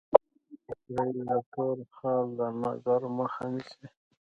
تور ټیکری یا تور خال د نظر مخه نیسي.